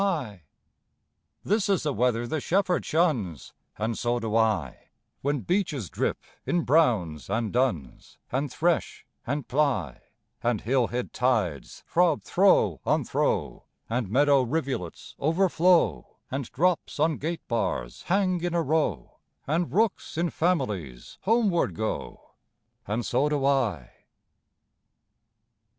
II This is the weather the shepherd shuns, And so do I; When beeches drip in browns and duns, And thresh, and ply; And hill hid tides throb, throe on throe, And meadow rivulets overflow, And drops on gate bars hang in a row, And rooks in families homeward go, And so do I.